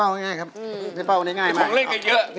นะฮะมีหน่วงทั้งหมด